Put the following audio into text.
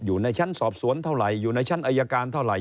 อยู่ในชั้นสอบสวนเท่าไหร่อยู่ในชั้นอายการเท่าไหร่